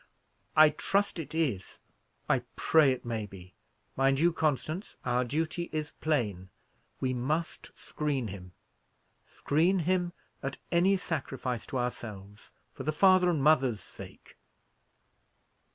"I trust it is; I pray it may be. Mind you, Constance, our duty is plain: we must screen him; screen him at any sacrifice to ourselves, for the father and mother's sake."